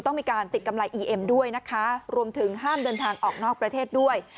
ต้องมีการติดกำไรอีเอ็มด้วยนะคะรวมถึงห้ามเดินทางออกนอกประเทศด้วย